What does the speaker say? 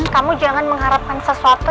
kamu jangan mengharapkan sesuatu